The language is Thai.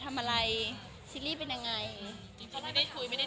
แต่เลยก็เป็นเดือน